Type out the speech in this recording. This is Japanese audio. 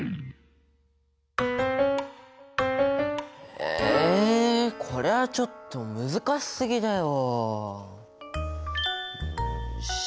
えこれはちょっと難しすぎだよ！